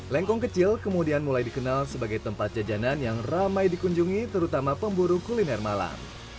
lengkong kecil kemudian mulai dikenal sebagai tempat jajanan yang ramai dikunjungi terutama pemburu kuliner malang